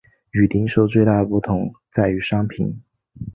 与零售最大的不同在于商品。